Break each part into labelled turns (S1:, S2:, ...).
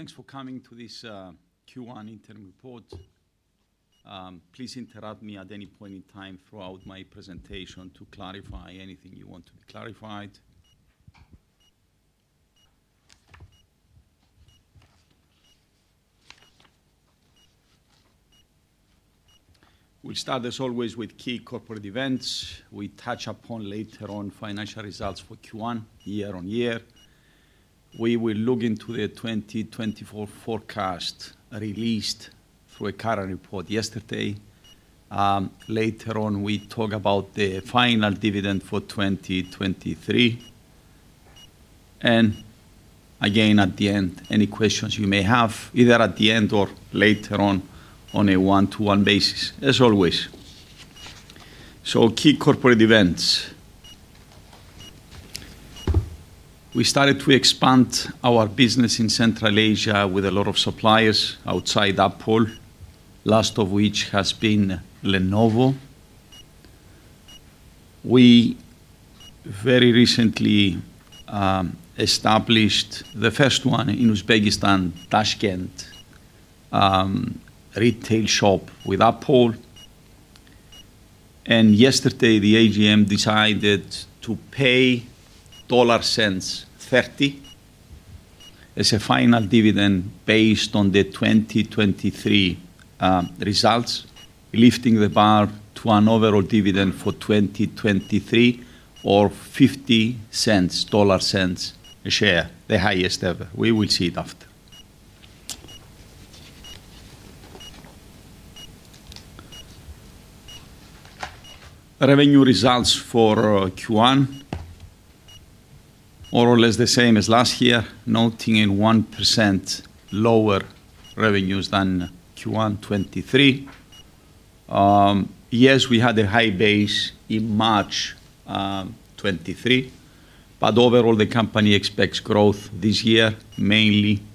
S1: Thanks for coming to this Q1 interim report. Please interrupt me at any point in time throughout my presentation to clarify anything you want to be clarified. We start, as always, with key corporate events. We touch upon later on financial results for Q1 year on year. We will look into the 2024 forecast released through a current report yesterday. Later on, we talk about the final dividend for 2023. Again, at the end, any questions you may have, either at the end or later on on a one-to-one basis, as always. Key corporate events. We started to expand our business in Central Asia with a lot of suppliers outside Apple, last of which has been Lenovo. We very recently established the first one in Uzbekistan, Tashkent, retail shop with Apple. Yesterday, the AGM decided to pay $0.30 as a final dividend based on the 2023 results, lifting the bar to an overall dividend for 2023 of 50 cents, $0.50 a share, the highest ever. We will see it after. Revenue results for Q1, more or less the same as last year, noting 1% lower revenues than Q1 2023. Yes, we had a high base in March 2023, but overall the company expects growth this year,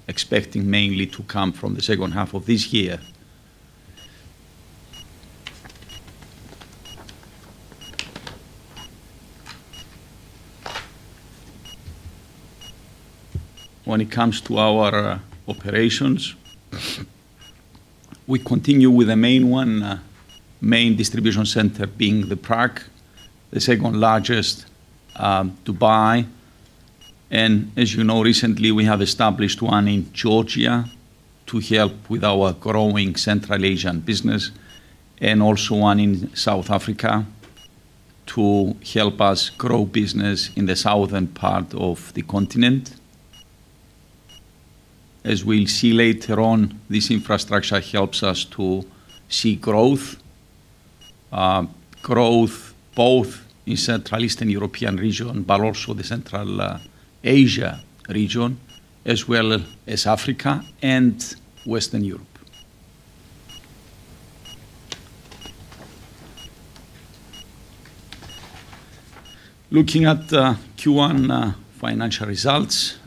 S1: expecting mainly to come from the second half of this year. When it comes to our operations, we continue with the main distribution center being Prague, the second-largest Dubai. As you know, recently we have established one in Georgia to help with our growing Central Asian business and also one in South Africa to help us grow business in the southern part of the continent. As we'll see later on, this infrastructure helps us to see growth. Growth both in Central and Eastern European region, but also the Central Asia region, as well as Africa and Western Europe. Looking at the Q1 financial results,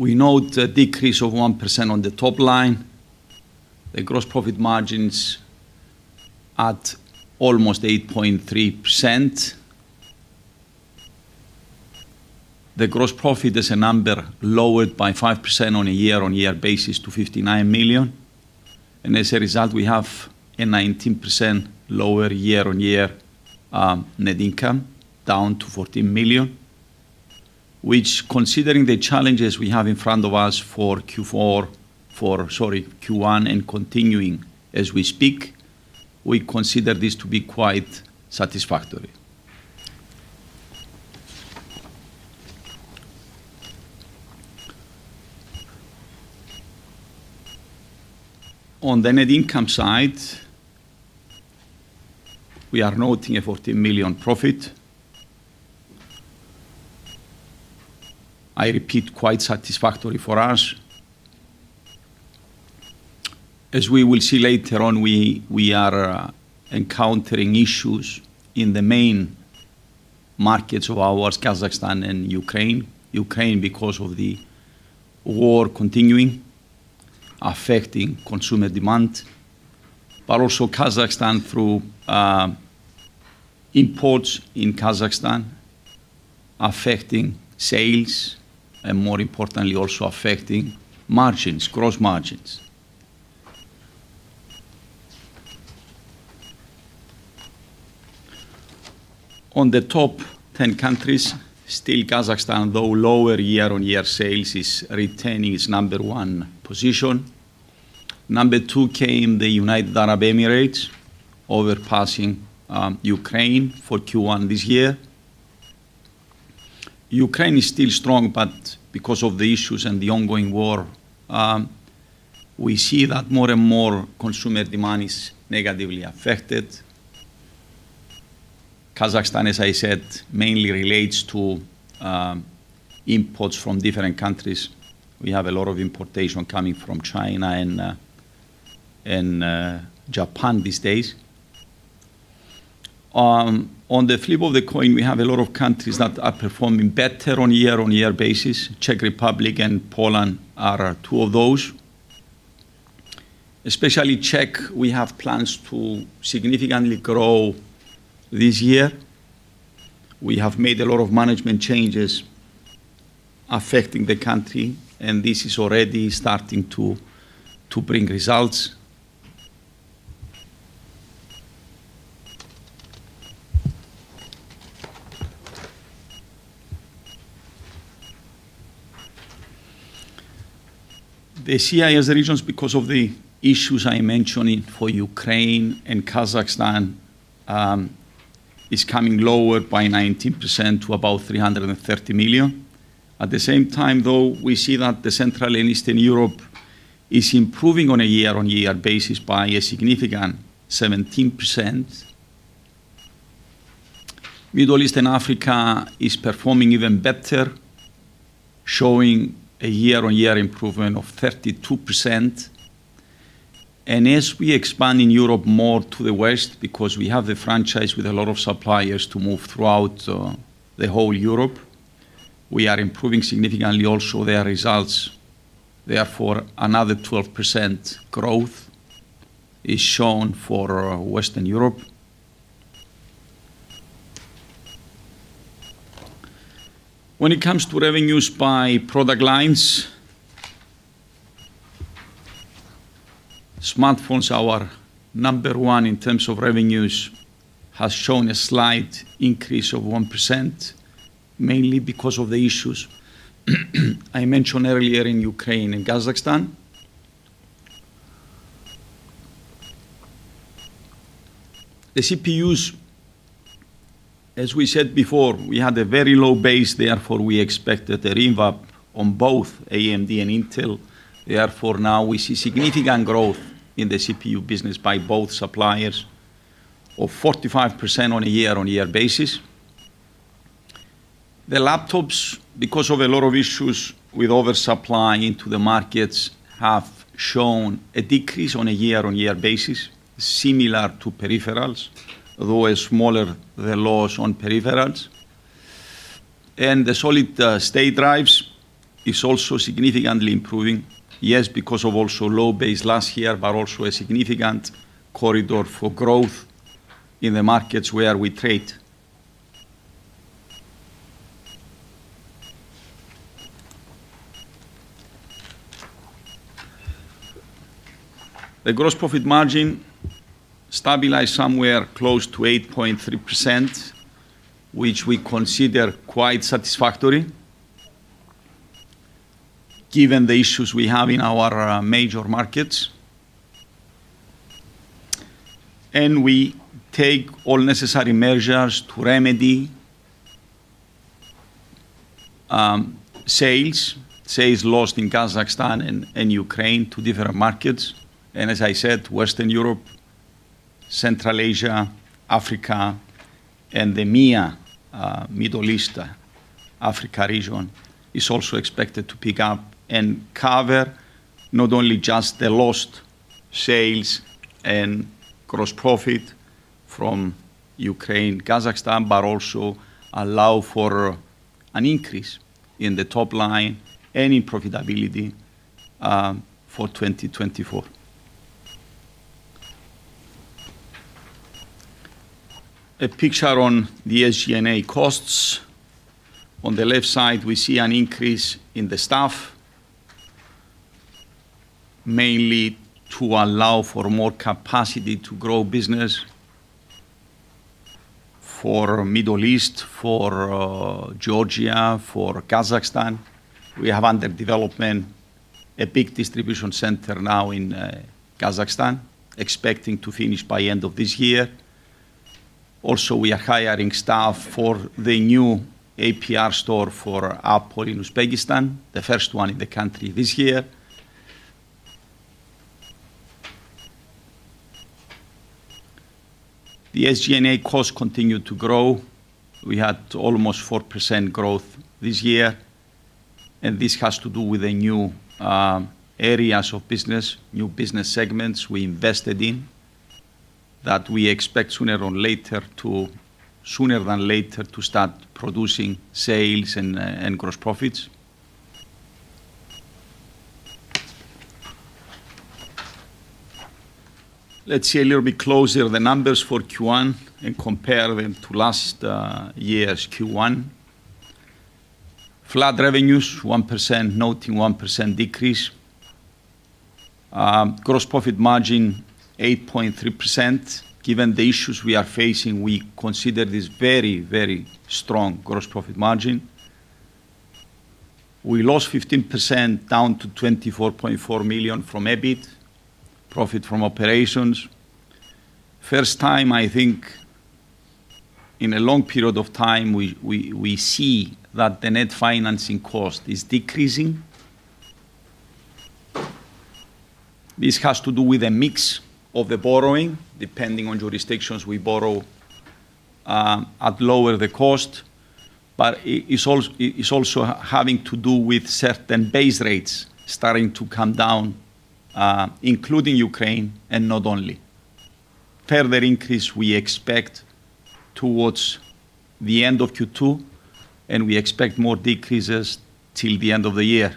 S1: we note a decrease of 1% on the top line. The gross profit margins at almost 8.3%. The gross profit as a number lowered by 5% on a year-on-year basis to $59 million. As a result, we have a 19% lower year-on-year net income, down to $14 million, which considering the challenges we have in front of us for Q1 and continuing as we speak, we consider this to be quite satisfactory. On the net income side, we are noting a $14 million profit. I repeat, quite satisfactory for us. As we will see later on, we are encountering issues in the main markets of ours, Kazakhstan and Ukraine. Ukraine because of the war continuing, affecting consumer demand, but also Kazakhstan through imports in Kazakhstan affecting sales and more importantly, also affecting margins, gross margins. On the top ten countries, still Kazakhstan, though lower year-on-year sales, is retaining its number one position. Number two came the United Arab Emirates, surpassing Ukraine for Q1 this year. Ukraine is still strong, but because of the issues and the ongoing war, we see that more and more consumer demand is negatively affected. Kazakhstan, as I said, mainly relates to imports from different countries. We have a lot of importation coming from China and Japan these days. On the flip of the coin, we have a lot of countries that are performing better on a year-on-year basis. Czech Republic and Poland are two of those. Especially Czech, we have plans to significantly grow this year. We have made a lot of management changes affecting the country, and this is already starting to bring results. The CIS regions, because of the issues I mentioned for Ukraine and Kazakhstan, is coming lower by 19% to about $330 million. At the same time, though, we see that the Central and Eastern Europe is improving on a year-on-year basis by a significant 17%. Middle East and Africa is performing even better, showing a year-on-year improvement of 32%. As we expand in Europe more to the west, because we have the franchise with a lot of suppliers to move throughout the whole Europe, we are improving significantly also their results. Therefore, another 12% growth is shown for Western Europe. When it comes to revenues by product lines, smartphones are number one in terms of revenues, has shown a slight increase of 1%, mainly because of the issues I mentioned earlier in Ukraine and Kazakhstan. The CPUs, as we said before, we had a very low base, therefore we expected a rev up on both AMD and Intel. Therefore, now we see significant growth in the CPU business by both suppliers of 45% on a year-on-year basis. The laptops, because of a lot of issues with oversupply into the markets, have shown a decrease on a year-on-year basis, similar to peripherals, although a smaller loss on peripherals. The solid-state drives is also significantly improving. Yes, because of also low base last year, but also a significant corridor for growth in the markets where we trade. The gross profit margin stabilized somewhere close to 8.3%, which we consider quite satisfactory given the issues we have in our major markets. We take all necessary measures to remedy sales lost in Kazakhstan and Ukraine to different markets. As I said, Western Europe, Central Asia, Africa, and the MEA, Middle East, Africa region is also expected to pick up and cover not only just the lost sales and gross profit from Ukraine, Kazakhstan, but also allow for an increase in the top line and in profitability, for 2024. A picture on the SG&A costs. On the left side, we see an increase in the staff, mainly to allow for more capacity to grow business for Middle East, for Georgia, for Kazakhstan. We have under development a big distribution center now in Kazakhstan, expecting to finish by end of this year. Also, we are hiring staff for the new APR store for Apple in Uzbekistan, the first one in the country this year. The SG&A costs continue to grow. We had almost 4% growth this year, and this has to do with the new areas of business, new business segments we invested in that we expect sooner than later to start producing sales and gross profits. Let's see a little bit closer the numbers for Q1 and compare them to last year's Q1. Flat revenues, 1%, noting 1% decrease. Gross profit margin, 8.3%. Given the issues we are facing, we consider this very, very strong gross profit margin. We lost 15%, down to $24.4 million from EBIT, profit from operations. First time, I think, in a long period of time, we see that the net financing cost is decreasing. This has to do with a mix of the borrowing, depending on jurisdictions we borrow at lower cost. It's also having to do with certain base rates starting to come down, including Ukraine and not only. We expect further increase towards the end of Q2, and we expect more decreases till the end of the year.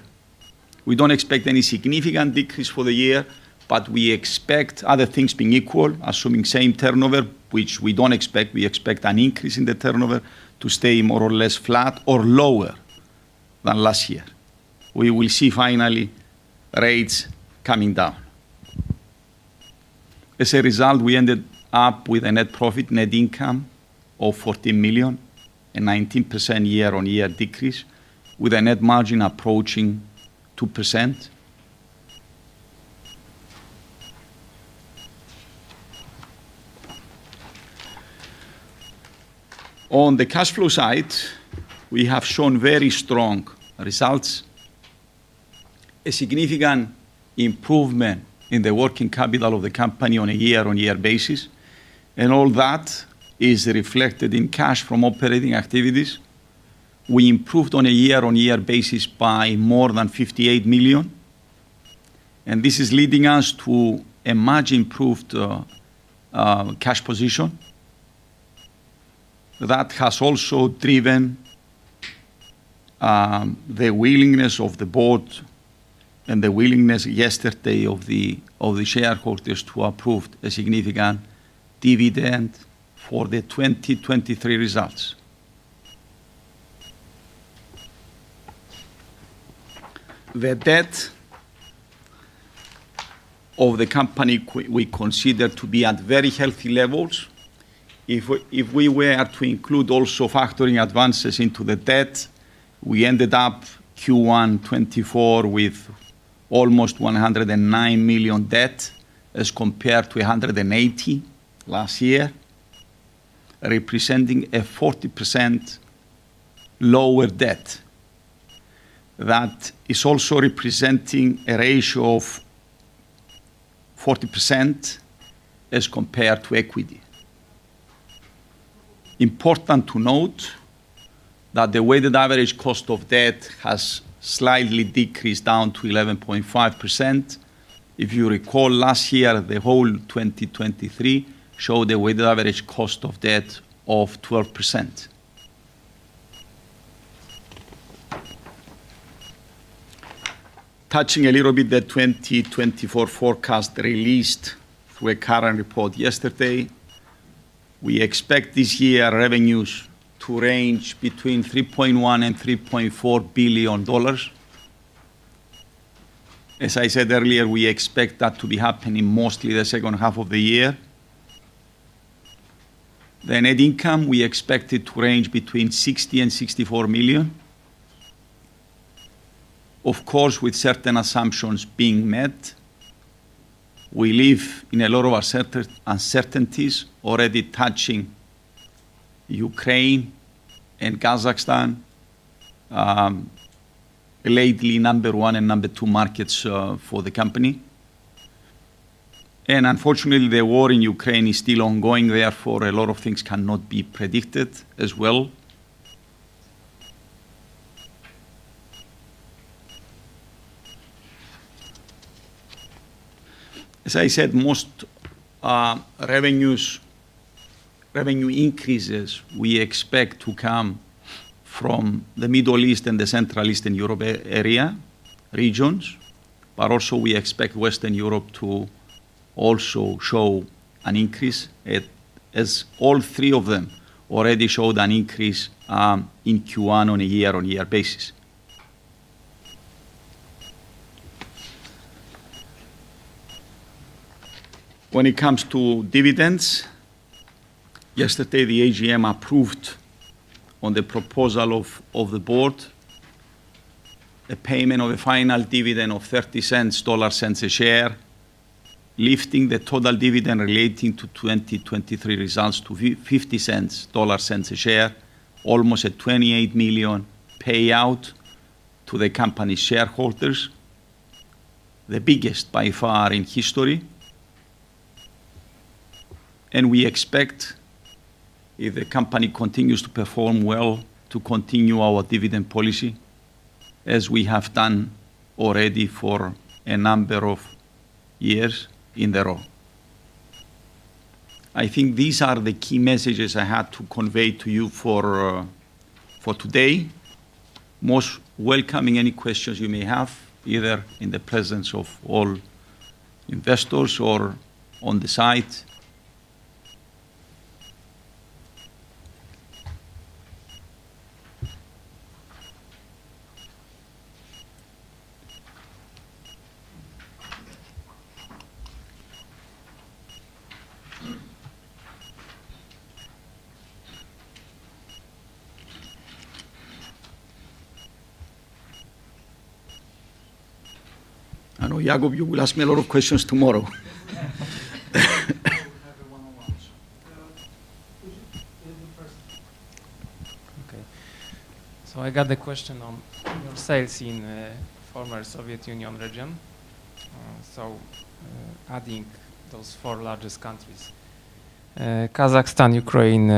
S1: We don't expect any significant decrease for the year, but we expect other things being equal, assuming same turnover, which we don't expect. We expect an increase in the turnover to stay more or less flat or lower than last year. We will see finally rates coming down. As a result, we ended up with a net profit, net income of $14 million, a 19% year-on-year decrease with a net margin approaching 2%. On the cash flow side, we have shown very strong results. A significant improvement in the working capital of the company on a year-on-year basis, and all that is reflected in cash from operating activities. We improved on a year-on-year basis by more than $58 million, and this is leading us to a much improved cash position. That has also driven the willingness of the board and the willingness yesterday of the shareholders to approve a significant dividend for the 2023 results. The debt of the company we consider to be at very healthy levels. If we were to include also factoring advances into the debt, we ended up Q1 2024 with almost $109 million debt as compared to $180 million last year, representing a 40% lower debt. That is also representing a ratio of 40% as compared to equity. Important to note that the weighted average cost of debt has slightly decreased down to 11.5%. If you recall last year, the whole 2023 showed a weighted average cost of debt of 12%. Touching a little bit the 2024 forecast released through a current report yesterday. We expect this year revenues to range between $3.1 billion and $3.4 billion. As I said earlier, we expect that to be happening mostly the second half of the year. The net income, we expect it to range between $60 million and $64 million. Of course, with certain assumptions being met, we live in a lot of uncertainties already touching Ukraine and Kazakhstan, lately number one and number two markets, for the company. Unfortunately, the war in Ukraine is still ongoing, therefore, a lot of things cannot be predicted as well. As I said, most revenue increases we expect to come from the Middle East and Central Eastern Europe area, regions. We expect Western Europe to also show an increase as all three of them already showed an increase in Q1 on a year-on-year basis. When it comes to dividends, yesterday the AGM approved the proposal of the board a payment of a final dividend of $0.30 a share, lifting the total dividend relating to 2023 results to $0.50 a share, almost a $28 million payout to the company shareholders, the biggest by far in history. We expect, if the company continues to perform well, to continue our dividend policy as we have done already for a number of years in a row. I think these are the key messages I had to convey to you for today. I most welcome any questions you may have, either in the presence of all investors or on the side. I know, Jakub, you will ask me a lot of questions tomorrow.
S2: We have a one-on-one. Could you give me first? Okay. I got the question on your sales in former Soviet Union region. Adding those four largest countries, Kazakhstan, Ukraine,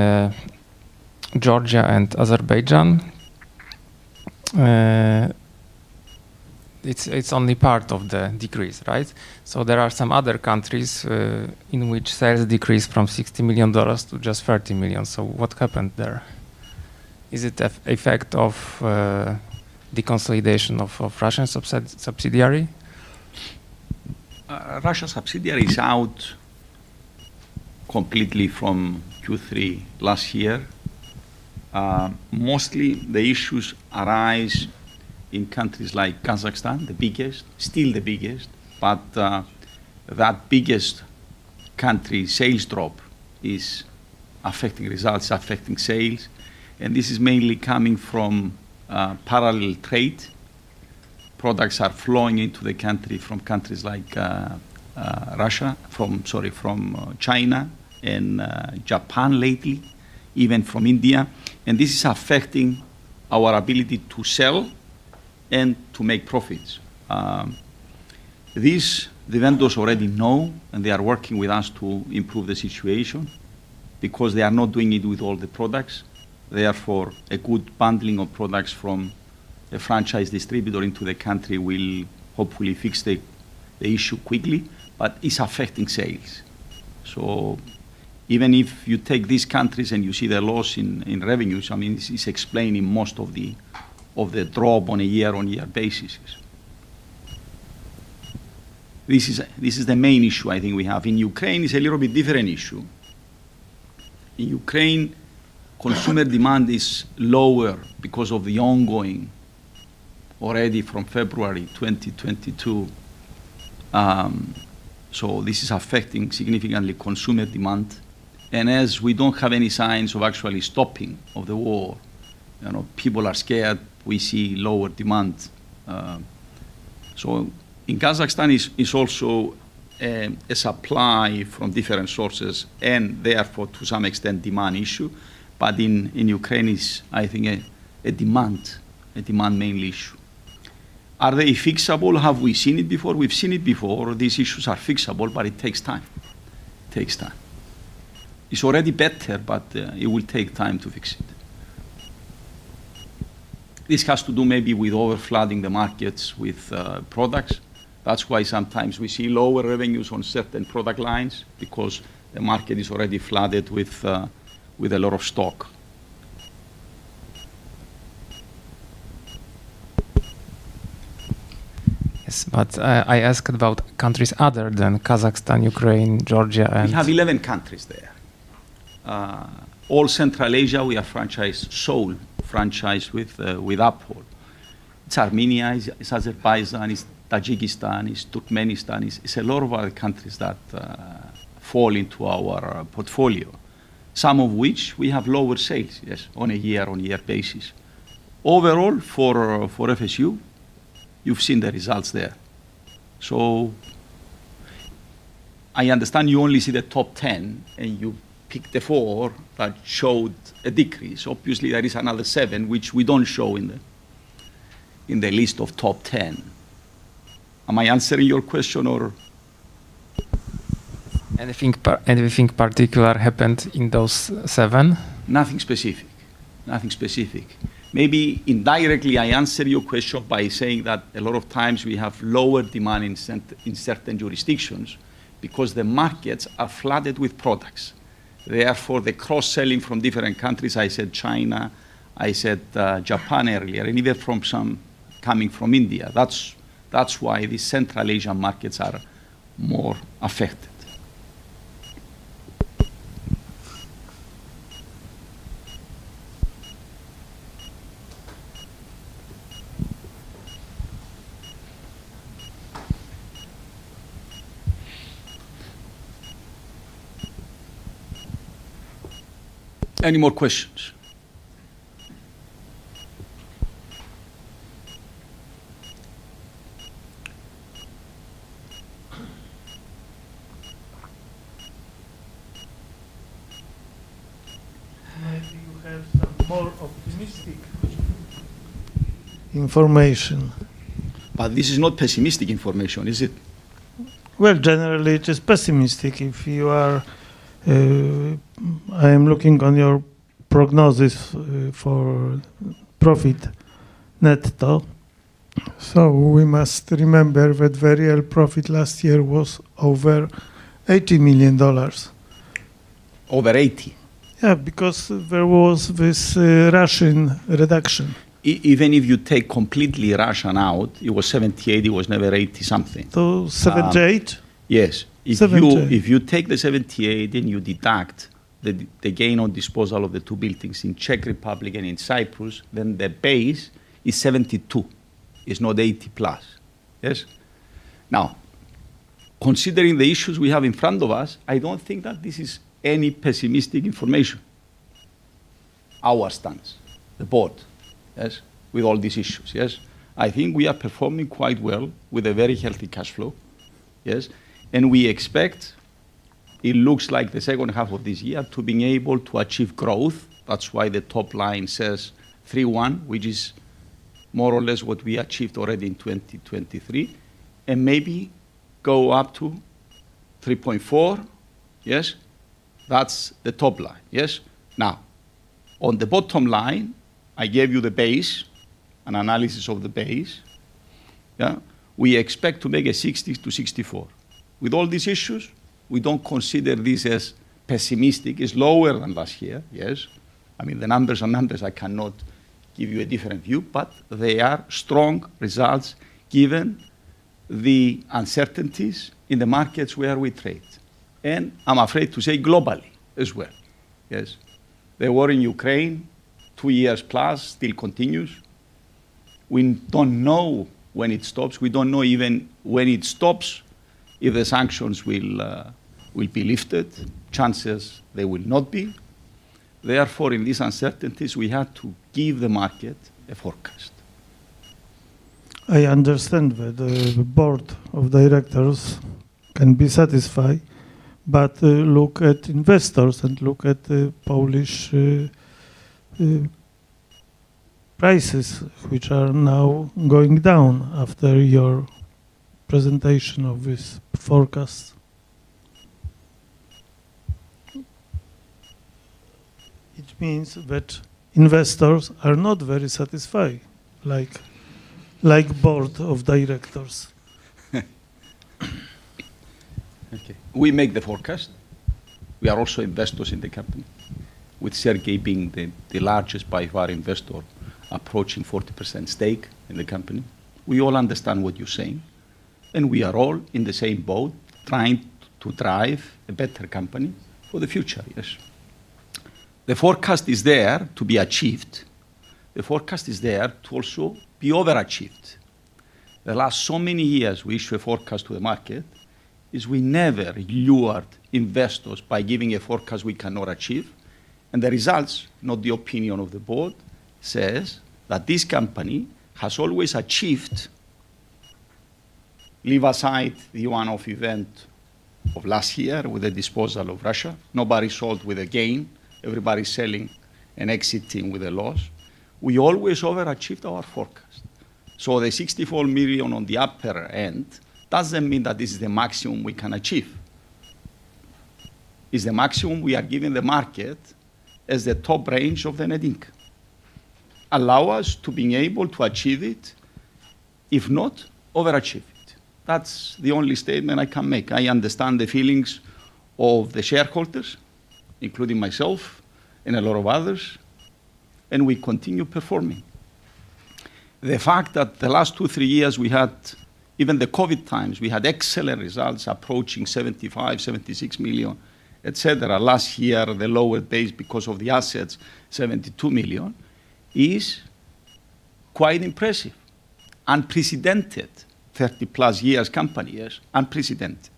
S2: Georgia, and Azerbaijan. It's only part of the decrease, right? There are some other countries in which sales decreased from $60 million to just $30 million. What happened there? Is it effect of the consolidation of Russian subsidiary?
S1: Russia's subsidiary is out completely from Q3 last year. Mostly the issues arise in countries like Kazakhstan, the biggest. That biggest country sales drop is affecting results, affecting sales, and this is mainly coming from parallel trade. Products are flowing into the country from countries like Russia, from China and Japan lately, even from India, and this is affecting our ability to sell and to make profits. This the vendors already know, and they are working with us to improve the situation because they are not doing it with all the products. Therefore, a good bundling of products from the franchise distributor into the country will hopefully fix the issue quickly, but it's affecting sales. Even if you take these countries and you see the loss in revenues, I mean, this is explaining most of the drop on a year-on-year basis. This is the main issue I think we have. In Ukraine, it's a little bit different issue. In Ukraine, consumer demand is lower because of the ongoing already from February 2022. This is affecting significantly consumer demand. As we don't have any signs of actually stopping of the war, you know, people are scared. We see lower demand. In Kazakhstan, it's also a supply from different sources and therefore to some extent demand issue. In Ukraine is, I think a demand mainly issue. Are they fixable? Have we seen it before? We've seen it before. These issues are fixable, but it takes time. It takes time. It's already better, but it will take time to fix it. This has to do maybe with overflooding the markets with products. That's why sometimes we see lower revenues on certain product lines because the market is already flooded with a lot of stock.
S2: Yes, I ask about countries other than Kazakhstan, Ukraine, Georgia and
S1: We have 11 countries there. All Central Asia, we are franchised, sole franchise with Apple. It's Armenia, it's Azerbaijan, it's Tajikistan, it's Turkmenistan, it's a lot of other countries that fall into our portfolio. Some of which we have lower sales, yes, on a year-on-year basis. Overall, for FSU, you've seen the results there. I understand you only see the top 10, and you picked the 4 that showed a decrease. Obviously, there is another 7 which we don't show in the list of top 10. Am I answering your question or?
S2: Anything particular happened in those seven?
S1: Nothing specific. Nothing specific. Maybe indirectly, I answered your question by saying that a lot of times we have lower demand in certain jurisdictions because the markets are flooded with products. Therefore, the cross-selling from different countries, I said China, I said Japan earlier, and even from some coming from India. That's why the Central Asian markets are more affected. Any more questions?
S3: Maybe you have some more optimistic information.
S1: This is not pessimistic information, is it?
S3: Well, generally it is pessimistic if you are I am looking on your prognosis for net profit. We must remember that the real profit last year was over $80 million.
S1: Over $80 million?
S3: Yeah, because there was this Russian reduction.
S1: Even if you take completely Russian out, it was $78 million, it was never $80 million something.
S3: 78?
S1: Yes.
S3: Seventy-eight.
S1: If you take the $78 million and you deduct the gain on disposal of the two buildings in the Czech Republic and in Cyprus, then the base is $72 million, it's not +$80 million. Yes? Now, considering the issues we have in front of us, I don't think that this is any pessimistic information. Our stance, the board, yes, with all these issues. Yes? I think we are performing quite well with a very healthy cash flow. Yes? We expect, it looks like the second half of this year to being able to achieve growth. That's why the top line says $3.1, which is more or less what we achieved already in 2023, and maybe go up to $3.4. Yes. That's the top line. Yes. Now, on the bottom line, I gave you the base, an analysis of the base. Yeah. We expect to make 60-64. With all these issues, we don't consider this as pessimistic. It's lower than last year, yes. I mean, the numbers are numbers. I cannot give you a different view, but they are strong results given the uncertainties in the markets where we trade, and I'm afraid to say globally as well. Yes. The war in Ukraine, 2 years+, still continues. We don't know when it stops. We don't know even when it stops, if the sanctions will be lifted. Chances are, they will not be. Therefore, in these uncertainties, we have to give the market a forecast.
S3: I understand that the board of directors can be satisfied, but look at investors and look at the Polish prices which are now going down after your presentation of this forecast. It means that investors are not very satisfied like board of directors.
S1: Okay. We make the forecast. We are also investors in the company, with Siarhei Kostevitch being the largest by far investor approaching 40% stake in the company. We all understand what you're saying, and we are all in the same boat trying to drive a better company for the future. Yes. The forecast is there to be achieved. The forecast is there to also be overachieved. The last so many years we issue a forecast to the market is we never lured investors by giving a forecast we cannot achieve. The results, not the opinion of the board, says that this company has always achieved, leave aside the one-off event of last year with the disposal of Russia. Nobody sold with a gain. Everybody's selling and exiting with a loss. We always overachieved our forecast. The 64 million on the upper end doesn't mean that this is the maximum we can achieve. It's the maximum we are giving the market as the top range of the net income allowing us to being able to achieve it. If not, overachieve it. That's the only statement I can make. I understand the feelings of the shareholders, including myself and a lot of others, and we continue performing. The fact that the last two, three years we had even the COVID times, we had excellent results approaching $75 million-$76 million, etc. Last year, the lower base because of the assets, $72 million, is quite impressive. Unprecedented. Thirty-plus years company, yes? Unprecedented.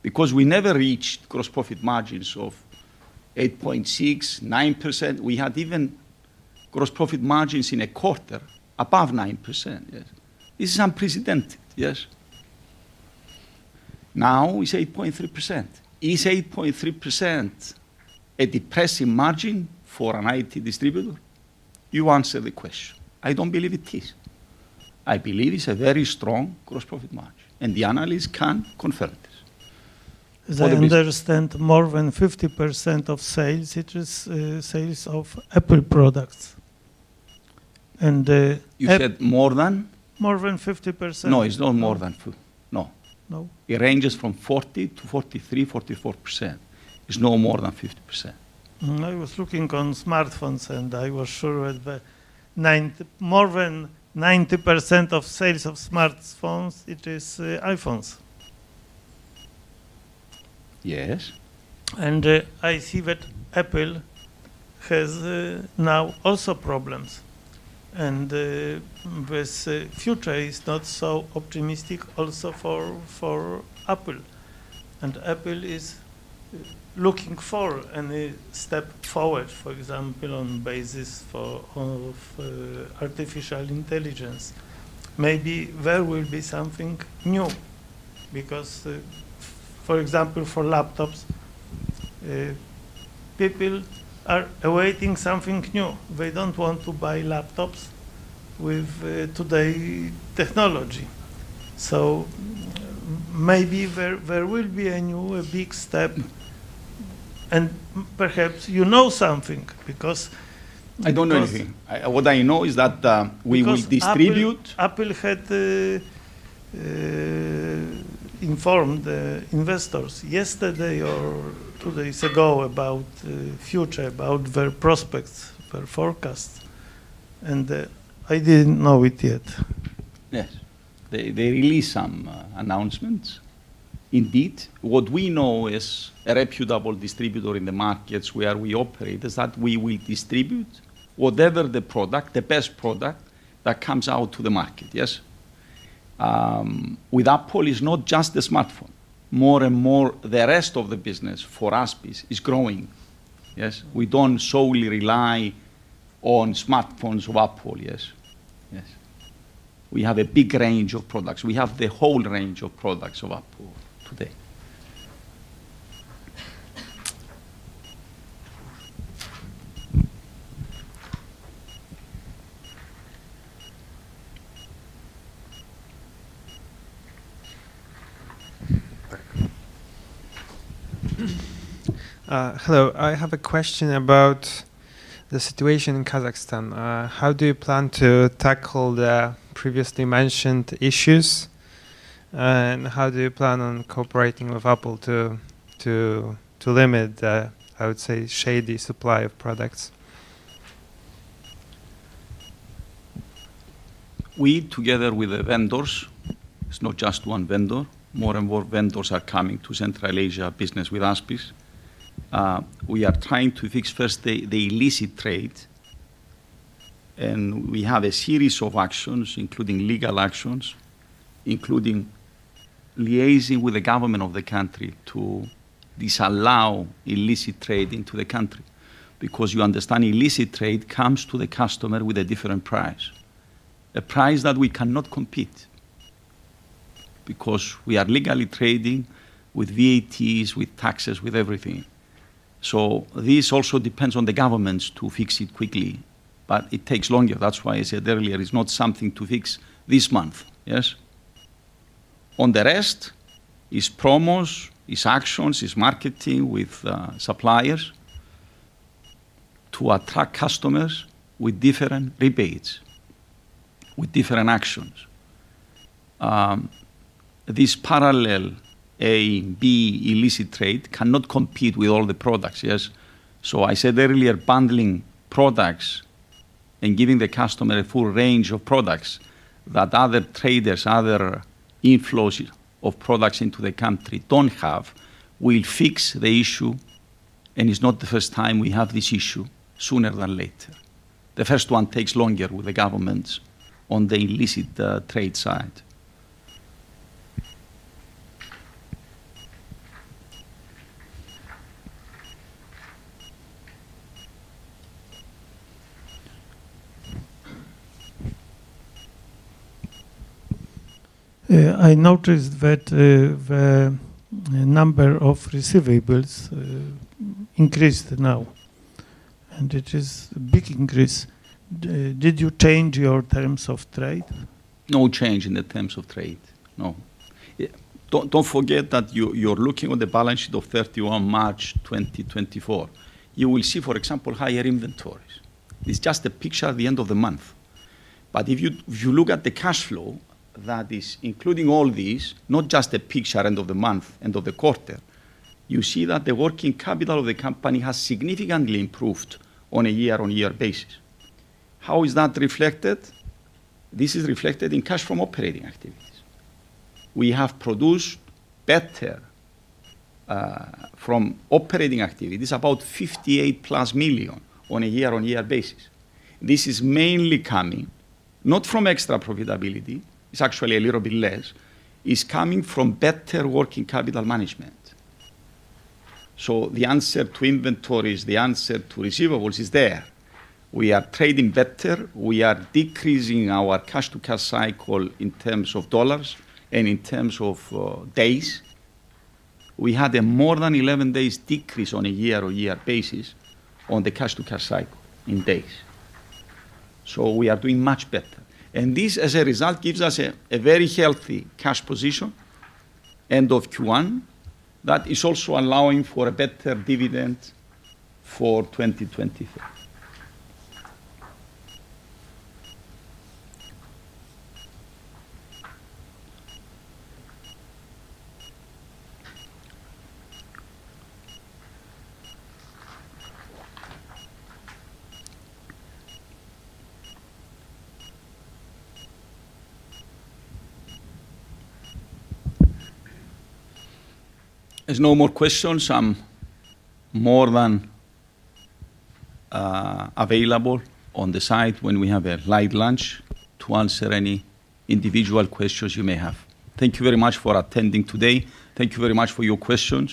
S1: Because we never reached gross profit margins of 8.6%-9%. We had even gross profit margins in a quarter above 9%. Yes. This is unprecedented. Yes. Now, it's 8.3%. Is 8.3% a depressing margin for an IT distributor? You answer the question. I don't believe it is. I believe it's a very strong gross profit margin, and the analysts can confirm this. For the business.
S3: As I understand, more than 50% of sales, it is sales of Apple products.
S1: You said more than?
S3: More than 50%.
S1: No. No.
S3: No?
S1: It ranges from 40% to 43%-44%. It's no more than 50%.
S3: I was looking on smartphones, and I was sure that more than 90% of sales of smartphones, it is iPhones.
S1: Yes.
S3: I see that Apple has now also problems. The future is not so optimistic also for Apple. Apple is looking for any step forward, for example, on basis of artificial intelligence. Maybe there will be something new, because for example, for laptops, people are awaiting something new. They don't want to buy laptops with today technology. Maybe there will be a new big step and perhaps you know something because
S1: I don't know anything.
S3: Because-
S1: What I know is that we will distribute.
S3: Because Apple had informed the investors yesterday or two days ago about their prospects, their forecast, and I didn't know it yet.
S1: Yes. They released some announcements indeed. What we know as a reputable distributor in the markets where we operate is that we will distribute whatever the product, the best product that comes out to the market. Yes? With Apple is not just the smartphone. More and more, the rest of the business for us is growing. Yes. We don't solely rely on smartphones of Apple. Yes. We have a big range of products. We have the whole range of products of Apple today.
S4: Hello. I have a question about the situation in Kazakhstan. How do you plan to tackle the previously mentioned issues, and how do you plan on cooperating with Apple to limit the, I would say, shady supply of products?
S1: We, together with the vendors, it's not just one vendor. More and more vendors are coming to Central Asia business with ASBIS. We are trying to fix first the illicit trade, and we have a series of actions, including legal actions, including liaising with the government of the country to disallow illicit trade into the country. Because you understand, illicit trade comes to the customer with a different price, a price that we cannot compete because we are legally trading with VATs, with taxes, with everything. This also depends on the governments to fix it quickly, but it takes longer. That's why I said earlier, it's not something to fix this month. Yes? On the rest, it's promos, it's actions, it's marketing with suppliers to attract customers with different rebates, with different actions. This parallel A and B illicit trade cannot compete with all the products. Yes. I said earlier, bundling products and giving the customer a full range of products that other traders, other inflows of products into the country don't have will fix the issue, and it's not the first time we have this issue, sooner or later. The first one takes longer with the governments on the illicit trade side.
S4: I noticed that the number of receivables increased now. It is a big increase. Did you change your terms of trade?
S1: No change in the terms of trade. No. Don't forget that you're looking at the balance sheet of 31 March 2024. You will see, for example, higher inventories. It's just a picture at the end of the month. If you look at the cash flow that is including all these, not just a picture end of the month, end of the quarter, you see that the working capital of the company has significantly improved on a year-on-year basis. How is that reflected? This is reflected in cash from operating activities. We have produced better from operating activities, about $58 million on a year-on-year basis. This is mainly coming not from extra profitability, it's actually a little bit less. It's coming from better working capital management. The answer to inventories, the answer to receivables is there. We are trading better. We are decreasing our cash-to-cash cycle in terms of dollars and in terms of days. We had a more than 11 days decrease on a year-on-year basis on the cash-to-cash cycle in days. We are doing much better. This, as a result, gives us a very healthy cash position end of Q1 that is also allowing for a better dividend for 2024. If there's no more questions, I'm more than available on the side when we have a light lunch to answer any individual questions you may have. Thank you very much for attending today. Thank you very much for your questions.